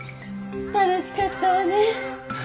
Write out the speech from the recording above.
楽しかったわね。